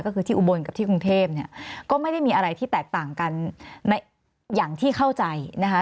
ก็คือที่อุบลกับที่กรุงเทพเนี่ยก็ไม่ได้มีอะไรที่แตกต่างกันอย่างที่เข้าใจนะคะ